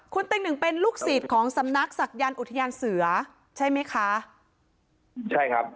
คุณเต็งหนึ่งเป็นลูกศิษย์ของสำนักศักยันต์อุทยานเสือใช่ไหมคะใช่ครับ